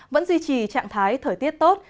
vẫn duy trì trạng thái thời tiết tốt